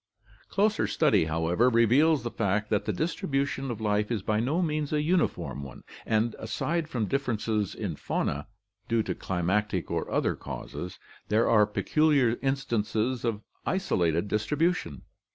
Closer study, however, reveals the fact that the distribution of life is by no means a uniform one, and, aside from differences in faunae, due to climatic or other causes, there are peculiar instances of isolated distribution.